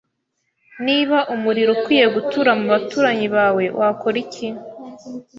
Niba umuriro ukwiye gutura mu baturanyi bawe, wakora iki?